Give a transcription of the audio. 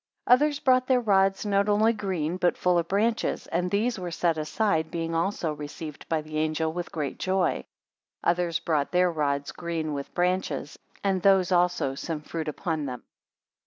11 Others brought in their rods not only green, but full of branches; and these were set aside, being also received by the angel with great joy. Others brought their rods green with branches, and those also some fruit upon them.